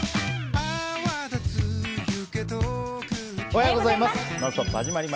おはようございます。